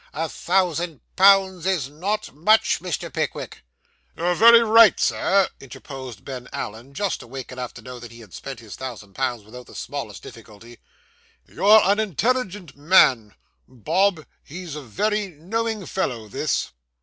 A thousand pounds is not much, Mr. Pickwick.' 'You're very right, Sir,' interposed Ben Allen, just awake enough to know that he had spent his thousand pounds without the smallest difficulty. 'You're an intelligent man. Bob, he's a very knowing fellow this.